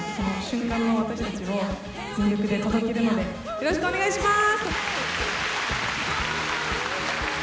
よろしくお願いします！